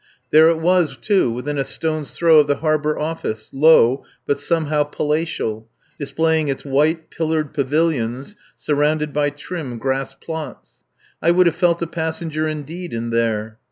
There it was, too, within a stone's throw of the Harbour Office, low, but somehow palatial, displaying its white, pillared pavilions surrounded by trim grass plots. I would have felt a passenger indeed in there!